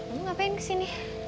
kamu ngapain kesini